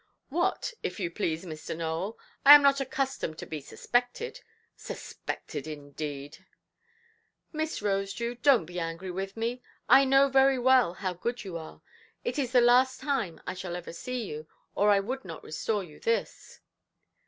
"What, if you please, Mr. Nowell? I am not accustomed to be suspected. Suspected, indeed"! "Miss Rosedew, donʼt be angry with me. I know very well how good you are. It is the last time I shall ever see you, or I would not restore you this".